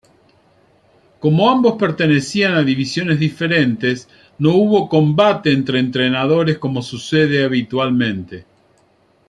Como ambos pertenecían a divisiones diferentes, no hubo combate entre entrenadores como sucede habitualmente.